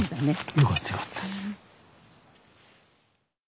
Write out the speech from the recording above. よかったよかった。